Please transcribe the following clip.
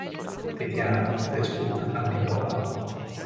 Tetjana Tereščuk-Antipova